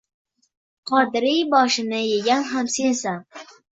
Qodiriy boshini yegan ham sensan!